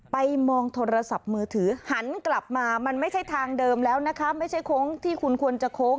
ไปมองโทรศัพท์มือถือหันกลับมามันไม่ใช่ทางเดิมแล้วนะคะไม่ใช่โค้งที่คุณควรจะโค้ง